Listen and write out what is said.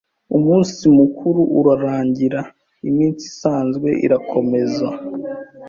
Umunsi mukuru urarangira, iminsi isanzwe irakomeza,